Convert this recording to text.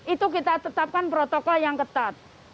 itu kita tetapkan protokol yang ketat